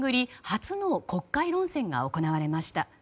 初の国会論戦が行われました。